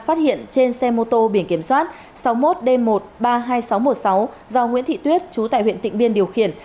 phát hiện trên xe mô tô biển kiểm soát sáu mươi một d một trăm ba mươi hai nghìn sáu trăm một mươi sáu do nguyễn thị tuyết chú tại huyện tịnh biên điều khiển